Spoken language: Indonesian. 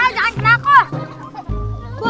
jangan kena aku